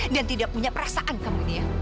dan tidak punya perasaan kamu dia